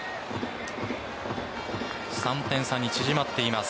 ３点差に縮まっています。